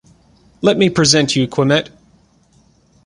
Let me present you Quimet.